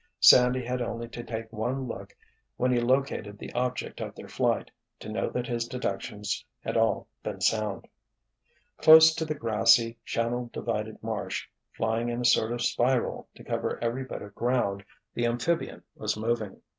Sandy had only to take one look when he located the object of their flight, to know that his deductions had all been sound. Close to the grassy, channel divided marsh, flying in a sort of spiral to cover every bit of ground, the amphibian was moving.